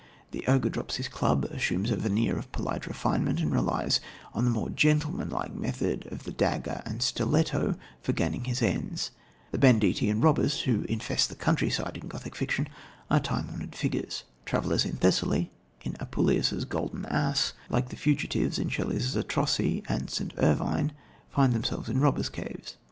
The ogre drops his club, assumes a veneer of polite refinement and relies on the more gentlemanlike method of the dagger and stiletto for gaining his ends. The banditti and robbers who infest the countryside in Gothic fiction are time honoured figures. Travellers in Thessaly in Apuleius' Golden Ass, like the fugitives in Shelley's Zastrozzi and St. Irvyne, find themselves in robbers' caves.